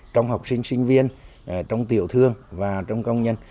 trong học sinh sinh viên trong tiểu thương và trong công nhân